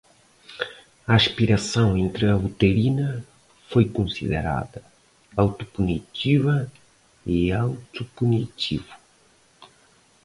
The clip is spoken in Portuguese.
A aspiração intrauterina foi considerada autopunitiva e autopunitivo